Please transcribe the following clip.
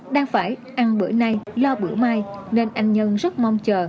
đang phải ăn bữa nay lo bưởi mai nên anh nhân rất mong chờ